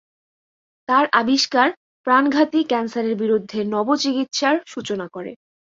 তার আবিষ্কার প্রাণঘাতী ক্যান্সারের বিরুদ্ধে নব চিকিৎসার সুচনা করে।